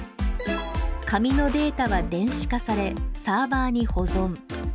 紙のデータは電子化されサーバーに保存。